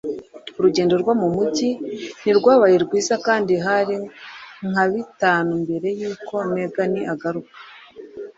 Urugendo rwo mu mujyi ntirwabaye rwiza kandi hari nka bitanu mbere yuko Megan agaruka.